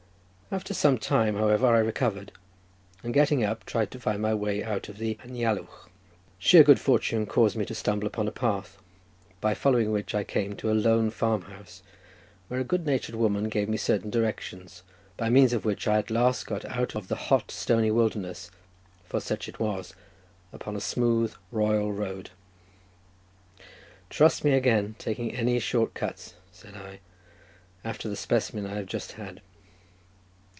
After some time, however, I recovered, and, getting up, tried to find my way out of the anialwch. Sheer good fortune caused me to stumble upon a path, by following which I came to a lone farm house, where a good natured woman gave me certain directions, by means of which I at last got out of the hot, stony wilderness—for such it was—upon a smooth, royal road. "Trust me again taking any short cuts," said I, "after the specimen I have just had."